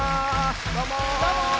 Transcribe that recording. どうも。